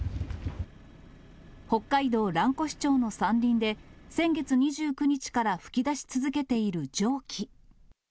北海道蘭越町の山林で、先月２９日から噴き出し続けている蒸気。